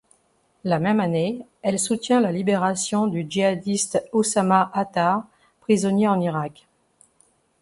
La même année, elle soutient la libération du djihadiste Oussama Atar, prisonnier en Irak.